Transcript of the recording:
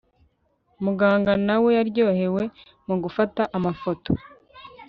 muganga nawe yaryohewe mu gufata amafoto